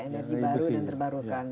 energi baru dan terbarukan